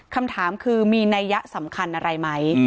คำถามคือมีนัยยะสำคัญอะไรไหม